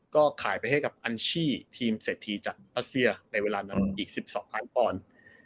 ก็ขายไปให้กับอัญชี่ทีมเศรษฐีจากรัสเซียในเวลานั้นอีก๑๒ล้านปอนด์